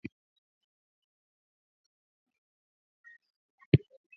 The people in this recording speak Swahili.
Mnyama kubadilika kwa tabia ni dalili ya ugonjwa wa kichaa cha mbwa